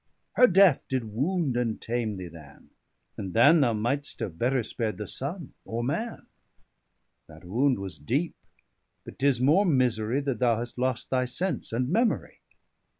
Her death did wound and tame thee than, and than 25 Thou might'st have better spar'd the Sunne, or Man. That wound was deep, but 'tis more misery, That thou hast lost thy sense and memory.